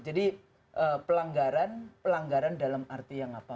jadi pelanggaran dalam arti yang apa